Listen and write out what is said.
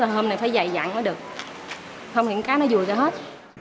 hôm nay phải dày dặn mới được không khiến cá nó vùi ra hết